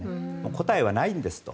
答えはないんですと。